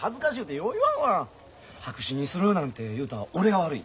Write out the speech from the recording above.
白紙にするなんて言うた俺が悪い。